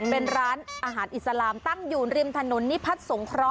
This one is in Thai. เป็นร้านอาหารอิสลามตั้งอยู่ริมถนนนิพัฒน์สงเคราะห